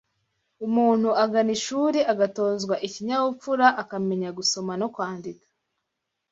Umuntu agana ishuri agatozwa ikinyabupfura akamenya gusoma no kwandika